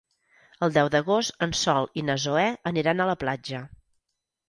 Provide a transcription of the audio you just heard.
El deu d'agost en Sol i na Zoè aniran a la platja.